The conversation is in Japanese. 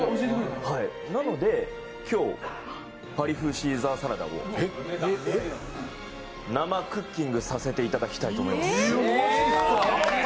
なので今日パリ風シーザーサラダを生クッキングさせていただきたいと思います。